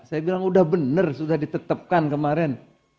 saya bilang sudah benar sudah ditetapkan kemarin